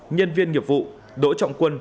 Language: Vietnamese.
nhân viên nghiệp vụ đỗ trọng quân